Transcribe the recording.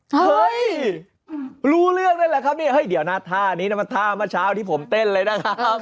เฮ้ยรู้เรื่องนั่นแหละครับเนี่ยเฮ้ยเดี๋ยวนะท่านี้นะมันท่าเมื่อเช้าที่ผมเต้นเลยนะครับ